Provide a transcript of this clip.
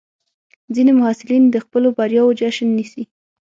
ځینې محصلین د خپلو بریاوو جشن نیسي.